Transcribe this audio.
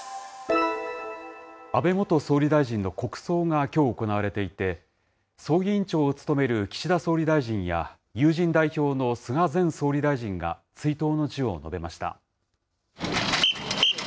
安倍元総理大臣の国葬がきょう行われていて、葬儀委員長を務める岸田総理大臣や、友人代表の菅前総理大臣が追悼の辞を述べました。